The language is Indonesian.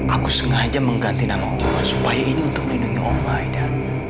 aku sengaja mengganti nama oma supaya ini untuk melindungi oma aida